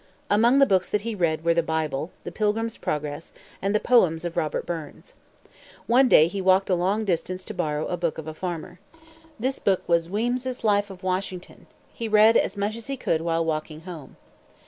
Among the books that he read were the Bible, the Pilgrims Progress, and the poems of Robert Burns. One day he walked a long distance to borrow a book of a farmer. This book was Weems's Life of Washington. He read as much as he could while walking home.